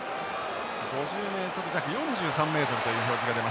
５０ｍ弱４３ｍという表示が出ました。